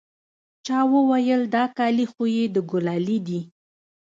چا وويل دا كالي خو يې د ګلالي دي.